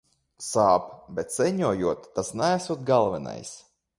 Sāp, bet sēņojot tas neesot galvenais.